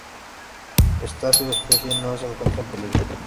Esta subespecie no se encuentra en peligro.